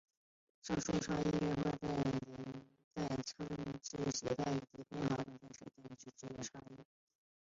上述差异转化成在枪枝携带以及在偏好等条件以下的实质性差异。